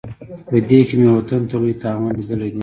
په دې کې مې وطن ته لوی تاوان لیدلی دی.